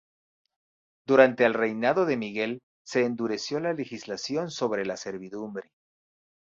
Durante el reinado de Miguel se endureció la legislación sobre la servidumbre.